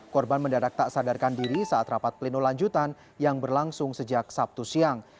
korban mendadak tak sadarkan diri saat rapat pleno lanjutan yang berlangsung sejak sabtu siang